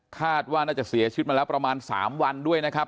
คาดว่าน่าจะเสียชีวิตมาแล้วประมาณ๓วันด้วยนะครับ